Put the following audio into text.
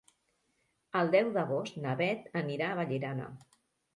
El deu d'agost na Bet anirà a Vallirana.